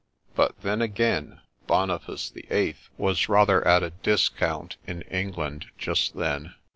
But then, again, Boniface the Eighth was rather at a discount in England just then.